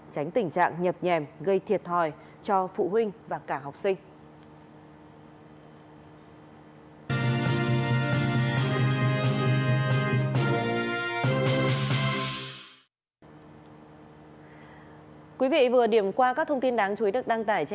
tránh tình trạng nhập nhèm gây thiệt thòi cho phụ huynh và cả học sinh